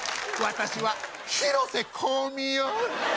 私は広瀬香美よ。